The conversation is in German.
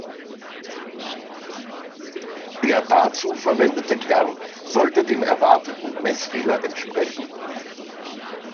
Der dazu verwendete Kern sollte dem erwarteten Messfehler entsprechen.